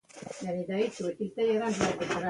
ددې ترڅنگ د ولايت خلك په ټينگه غواړي،